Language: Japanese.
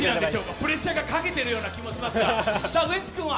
プレッシャーがかけてるような気もしますから。